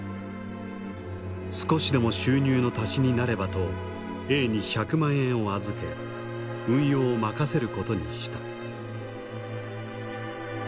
少しでも収入の足しになればとＡに１００万円を預け運用を任せることにした。